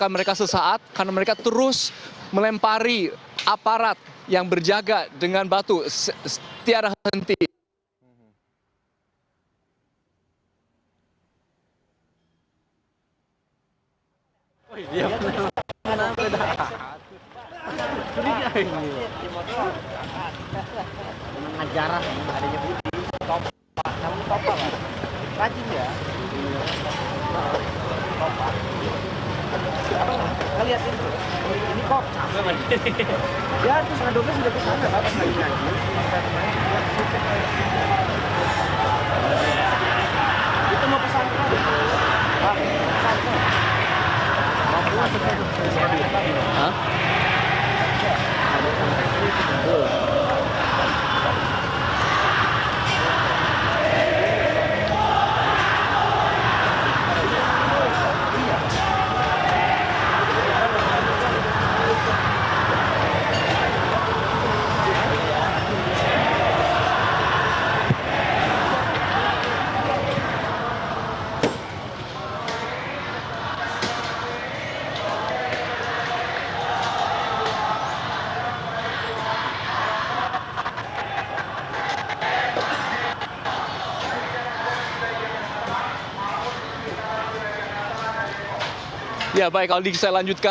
mereka berharap saja tembak dengan gas air mata